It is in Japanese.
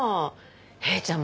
ヘイちゃんもさ